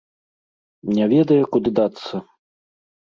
Не ведае, куды дацца.